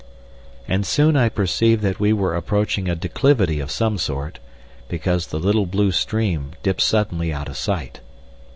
And soon I perceived that we were approaching a declivity of some sort, because the little blue stream dipped suddenly out of sight.